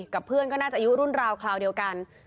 กับเพื่อนก็น่าจะอายุรุ่นราวคราวเดียวกัน